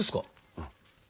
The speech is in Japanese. うん。